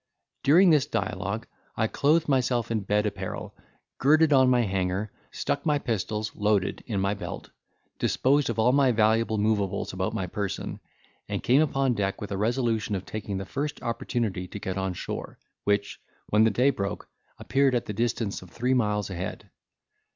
During this dialogue I clothed myself in my bed apparel, girded on my hanger, stuck my pistols, loaded, in my belt, disposed of all my valuable moveables about my person, and came upon deck with a resolution of taking the first opportunity to get on shore, which, when the day broke, appeared at the distance of three miles ahead.